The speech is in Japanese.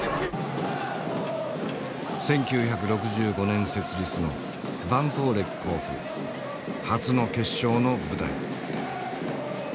１９６５年設立のヴァンフォーレ甲府初の決勝の舞台。